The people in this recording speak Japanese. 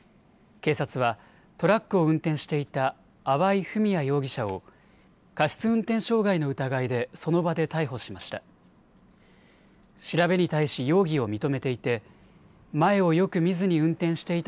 警察はトラックを運転していた粟井文哉容疑者を過失運転傷害の疑いでその場で逮捕しました。